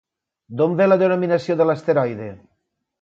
D'on ve la denominació de l'asteroide?